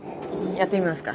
やってみますか。